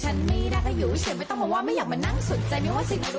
วันนี้เกี่ยวกับกองถ่ายเราจะมาอยู่กับว่าเขาเรียกว่าอะไรอ่ะนางแบบเหรอ